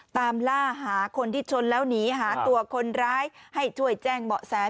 ตามล่าหาคนที่ชนแล้วหนีหาตัวคนร้ายให้ช่วยแจ้งเบาะแส